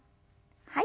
はい。